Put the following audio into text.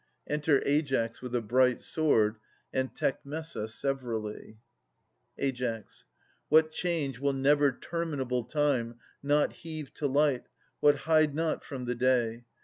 Enter Aias with a bright sword, and Tecmessa, severally. Ai. What change will never terminable Time Not heave to light, what hide not from the day